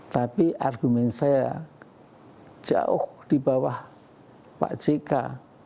tapi argumen saya jauh di bawah pak jk